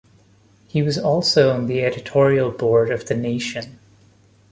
He was also on the editorial board of "The Nation".